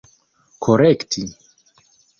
korekti